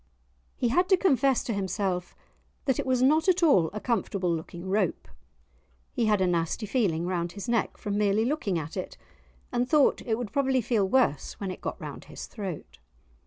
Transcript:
He had to confess to himself that it was not at all a comfortable looking rope; he had a nasty feeling round his neck from merely looking at it, and thought it would probably feel worse when it got round his throat.